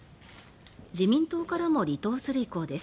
自民党からも離党する意向です。